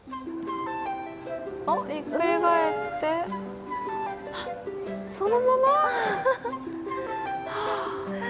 ひっくり返って、そのまま？